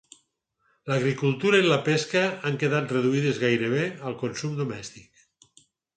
L'agricultura i la pesca han quedat reduïdes gairebé per al consum domèstic.